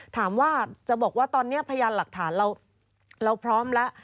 ถามว่าจะบอกว่าตอนนี้พยานหลักฐานเราพร้อมแล้ว